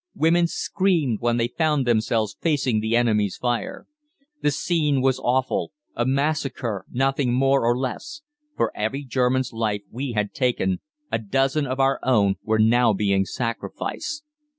Women screamed when they found themselves facing the enemy's fire. "The scene was awful a massacre, nothing more or less. For every German's life we had taken, a dozen of our own were now being sacrificed.